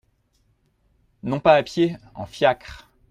Non pas à pied, en fiacre !